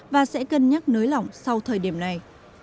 và sẽ cân nhắc nới lỏng sau thời điểm này